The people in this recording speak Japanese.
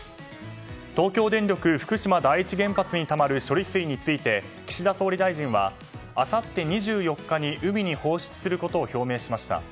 東京電力福島第一原発にたまる処理水について、岸田総理大臣はあさって２４日に海に放出することを決めました。